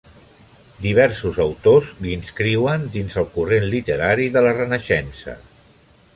Diversos autors l'inscriuen dins el corrent literari de la Renaixença.